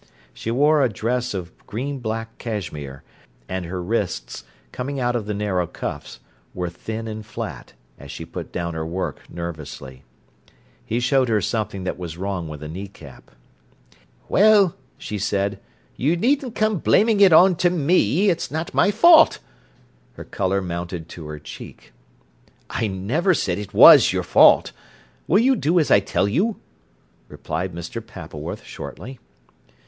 She wore a dress of green black cashmere, and her wrists, coming out of the narrow cuffs, were thin and flat, as she put down her work nervously. He showed her something that was wrong with a knee cap. "Well," she said, "you needn't come blaming it on to me. It's not my fault." Her colour mounted to her cheek. "I never said it was your fault. Will you do as I tell you?" replied Mr. Pappleworth shortly.